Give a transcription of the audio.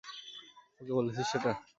ওকে বলেছিস সেটা?